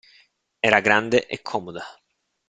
Era grande e comoda.